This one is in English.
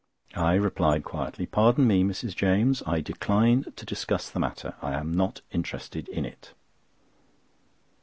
I replied quietly: "Pardon me, Mrs. James; I decline to discuss the matter. I am not interested in it."